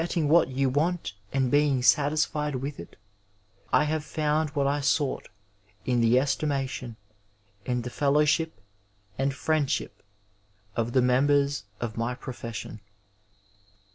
469 Digitized by Google UENVOI what you want and being satisfied with it, I liave found wliat I Booght in the estimation, in the fellowship and friendship of the members of my profession.